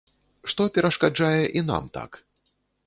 Што перашкаджае і нам так?